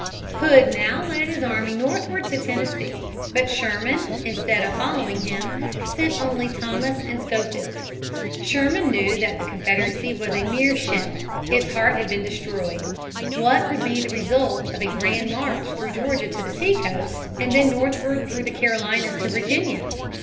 Hood now led his army northward to Tennessee. But Sherman, instead of following him, sent only Thomas and Schofield. Sherman knew that the Confederacy was a mere shell. Its heart had been destroyed. What would be the result of a grand march through Georgia to the seacoast, and then northward through the Carolinas to Virginia?